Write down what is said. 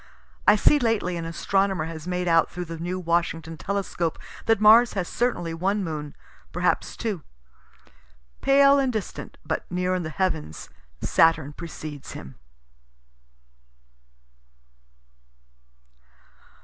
(I see lately an astronomer has made out through the new Washington telescope that Mars has certainly one moon, perhaps two.) Pale and distant, but near in the heavens, Saturn precedes him.